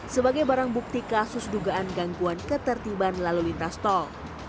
sebagai barang bukti kasus dugaan gangguan ketertiban lalu lintas tol